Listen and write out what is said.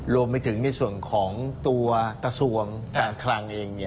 รวมไปถึงในส่วนของตัวกระทรวงการคลังเอง